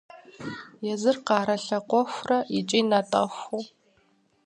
Езыр къарэ лъакъуэхурэ икӀи натӀэхуу.